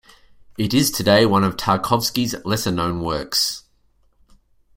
It is today one of Tarkovsky's lesser-known works.